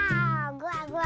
ぐわぐわ。